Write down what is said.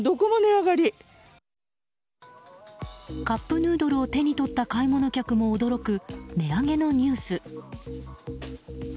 カップヌードルを手に取った買い物客も驚く、値上げのニュース。